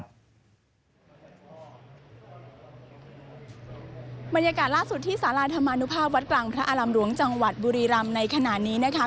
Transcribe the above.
บริษัทมันยากาศล่าสุดที่สาราธรรมาณุภาพวัดกลางพระอารำรวงจังหวัดบูริรัมป์ในขณะนี้นะคะ